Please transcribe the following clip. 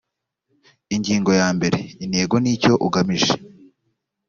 ingingo ya mbere intego n icyo ugamije